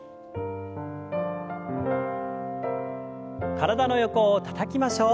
体の横をたたきましょう。